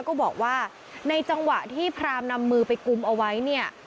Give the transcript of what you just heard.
ก็บอกว่าในจังหวะที่พรามนำมือไปกุมเอาไว้เนี่ย